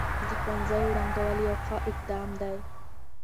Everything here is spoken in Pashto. د ښوونځيو رنګول يو ښه اقدام دی.